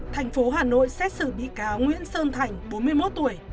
thành phố hà nội xét xử bị cáo nguyễn sơn thành bốn mươi một tuổi